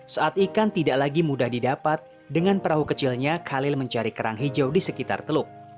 saat ikan tidak lagi mudah didapat dengan perahu kecilnya khalil mencari kerang hijau di sekitar teluk